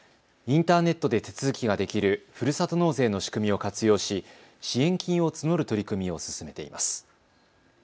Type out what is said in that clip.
インターネットで手続きができるふるさと納税の仕組みを活用し支援金を募る取り組みを進めています。